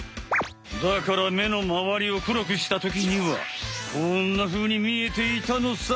だから目のまわりを黒くしたときにはこんなふうに見えていたのさ。